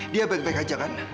dia baik baik aja kan